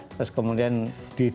terus kemudian dilihat